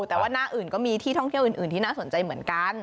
แต่ว่าหน้าอื่นก็มีที่ท่องเที่ยวอื่นที่น่าสนใจเหมือนกัน